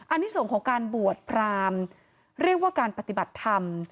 อันนี้ส่งของการบวชพรามเรียกว่าการปฏิบัติธรรม